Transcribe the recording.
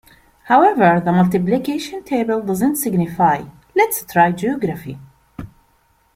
However, the Multiplication Table doesn’t signify: let’s try Geography.